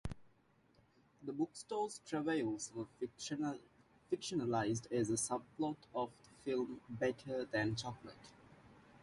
The bookstore's travails were fictionalized as a subplot of the film "Better Than Chocolate".